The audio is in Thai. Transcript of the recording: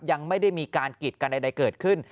ยังไม่ได้มีการกีดกันใดเกิดขึ้น